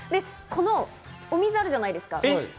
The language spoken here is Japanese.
このお水、あるじゃないですか。